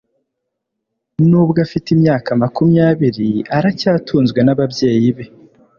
nubwo afite imyaka makumyabiri, aracyatunzwe nababyeyi be